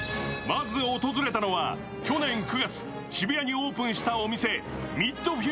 まず訪れたのは、去年９月渋谷にオープンしたお店、ＭＩＤｆｕｔｕｒｅ。